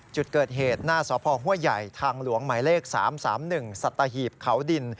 จุดเกิดเหตุหน้าสพห้วยใหญ่ทางหลวงหมายเลข๓๓๑สัตหีบเขาดิน